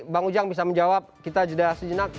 bang ujang bisa menjawab kita jeda sejenak